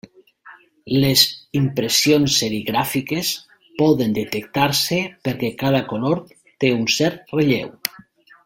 Les impressions serigràfiques poden detectar-se perquè cada color té un cert relleu.